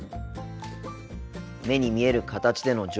目に見える形での情報提供